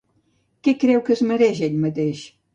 Què creu que es mereix ell mateix?